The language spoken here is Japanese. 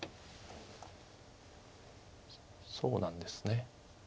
そうなんですね。